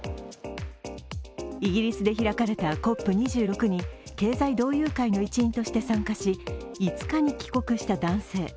イギリスで開かれたＣＯＰ２６に経済同友会の一員として参加し５日に帰国した男性。